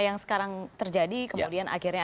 yang sekarang terjadi kemudian akhirnya